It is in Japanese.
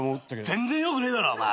全然よくねえだろお前。